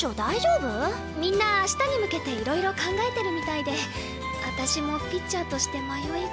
みんなあしたに向けていろいろ考えてるみたいで私もピッチャーとして迷いが。